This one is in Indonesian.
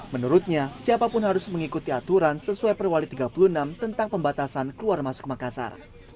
menurutnya siapapun harus mengikuti aturan sesuai perwali tiga puluh enam tentang pembatasan keluar masuk makassar